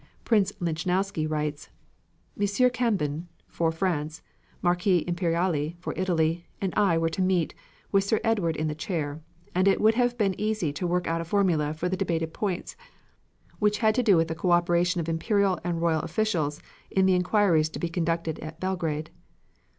Prince Lichnowsky writes: M. Cambon (for France), Marquis Imperiali (for Italy), and I were to meet, with Sir Edward in the chair, and it would have been easy to work out a formula for the debated points, which had to do with the co operation of imperial and royal officials in the inquiries to be conducted at Belgrade.